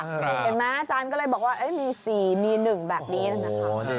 เห็นไหมอาจารย์ก็เลยบอกว่ามี๔มี๑แบบนี้นะคะ